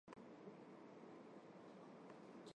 Բնակավայրի կլիման լեռնային է և արևադարձային։